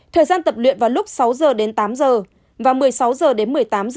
thời gian tập luyện vào lúc sáu h tám h và một mươi sáu h một mươi tám h